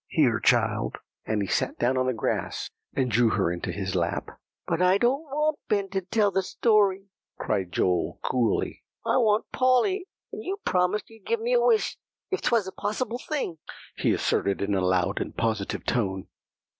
"Here, child;" and he sat down on the grass, and drew her into his lap. "But I don't want Ben to tell the story," cried Joel coolly. "I want Polly; and you promised you'd give me my wish if 'twas a possible thing," he asserted in a loud and positive tone.